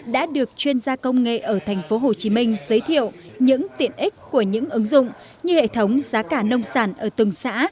đã được chuyên gia công nghệ ở tp hcm giới thiệu những tiện ích của những ứng dụng như hệ thống giá cả nông sản ở từng xã